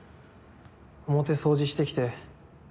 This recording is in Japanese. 表掃除してきて。